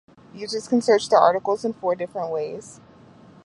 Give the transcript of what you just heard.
Users can search the articles in four different ways.